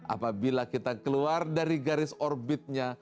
apabila kita keluar dari garis orbitnya